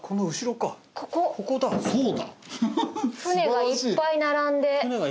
舟がいっぱい並んで。